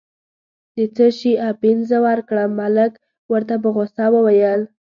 د څه شي اپین زه ورکړم، ملک ورته په غوسه وویل.